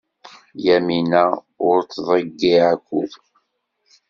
Yamina ur tḍeyyeɛ akud.